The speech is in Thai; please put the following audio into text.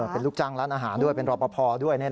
เป็นลูกจ้างร้านอาหารด้วยเป็นรอปภด้วย